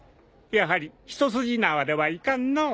やはり一筋縄ではいかんのう。